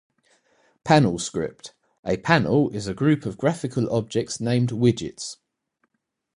Panel script: a panel is a group of graphical objects named widgets.